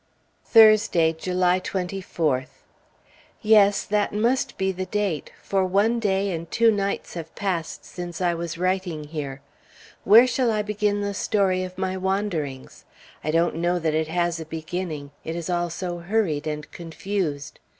Thursday, July 24th. Yes; that must be the date, for one day and two nights have passed since I was writing here. Where shall I begin the story of my wanderings? I don't know that it has a beginning, it is all so hurried and confused.